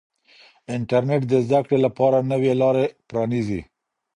انټرنیټ د زده کړې لپاره نوې لارې پرانیزي.